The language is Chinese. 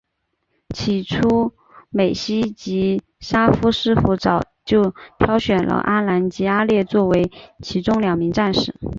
起初美希及沙夫师傅早就挑选了阿兰及阿烈作为其中两名战士。